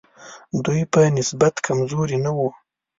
دوی په نسبت کمزوري نه وو.